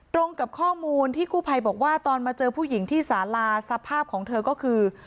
ตรงกับข้อมูลที่กู้ภัยบอกว่าตอนมาเจอผู้หญิงที่สาลาสภาพของเธอก็คือ